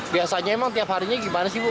biasanya emang tiap harinya gimana sih bu